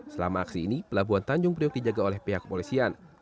selama aksi ini pelabuhan tanjung priok dijaga oleh pihak polisian